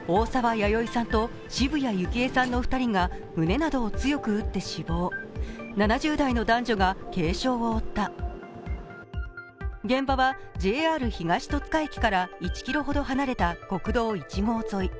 弥生さんと渋谷幸恵さんの２人が胸などを強く打って死亡７０代の男女が軽傷を負った現場はＪＲ東戸塚駅から１ｋｍほど離れた国道１号沿い。